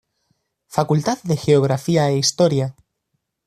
Facultad de Geografía e Historia